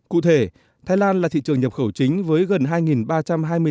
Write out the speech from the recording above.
cụ thể thái lan là thị trường nhập khẩu chính với gần hai ba trăm hai mươi xe